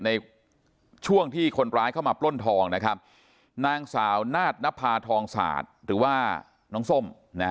ในช่วงที่คนร้ายเข้ามาปล้นทองนะครับนางสาวนาฏนภาทองศาสตร์หรือว่าน้องส้ม